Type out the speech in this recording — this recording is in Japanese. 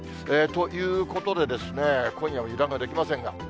ということでですね、今夜も油断ができませんが。